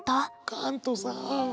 カントさん。